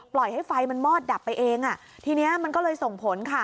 ปล่อยให้ไฟมันมอดดับไปเองอ่ะทีนี้มันก็เลยส่งผลค่ะ